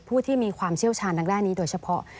ผู้ที่มีความเชี่ยวชาญดังแร่นี้โดยเฉพาะ